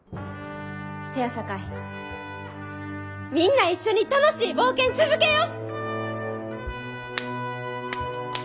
せやさかいみんな一緒に楽しい冒険つづけよう！